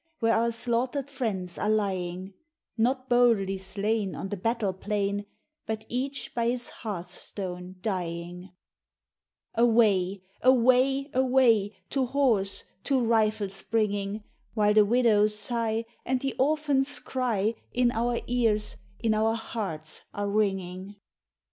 Where our slaughtered friends are lying; Not boldly slain On the battle plain, But each by his hearth stone dying. Away Away! Away! To horse, to rifle springing, While the widow's sigh And the orphan's cry In our ears, in our hearts are ringing!